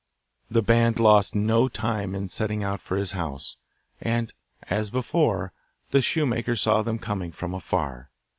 The band lost no time in setting out for his house, and, as before, the shoemaker saw them coming from afar.